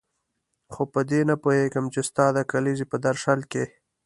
خو په دې نه پوهېږم چې ستا د کلیزې په درشل کې.